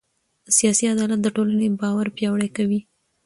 سیاسي عدالت د ټولنې باور پیاوړی کوي